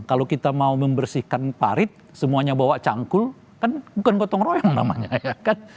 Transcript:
kalau kita mau membersihkan parit semuanya bawa cangkul kan bukan gotong royong namanya ya kan